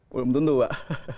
belum tentu pak